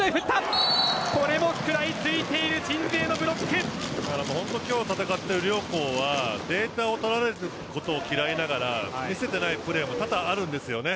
これも食らいついている本当に今日戦っている両校はデータを取られることを嫌いながら見せていないプレーも多々あるんですよね。